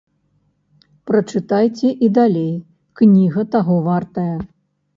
Прачытайце і далей, кніга таго вартая.